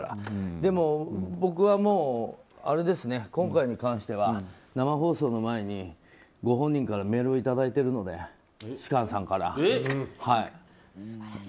でも僕は、今回に関しては生放送前にご本人からメールをいただいているので芝翫さんから。